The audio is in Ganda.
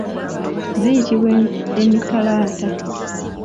Ziyitibwa emikalaata.